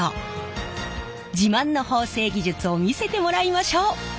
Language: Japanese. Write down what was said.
自慢の縫製技術を見せてもらいましょう。